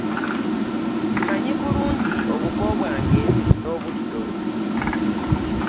Mmanyi bulungi obuvo bwange n'obuddo.